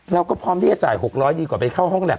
เราก็พร้อมที่จะจ่าย๖๐๐ดีกว่าไปเข้าห้องแล็